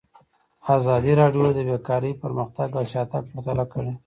ازادي راډیو د بیکاري پرمختګ او شاتګ پرتله کړی.